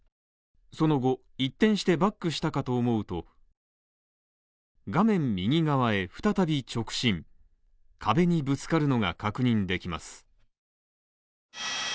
その後、一転してバックしたかと思うと、画面右側へ再び直進壁にぶつかるのが確認できます。